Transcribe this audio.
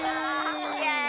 イエーイ。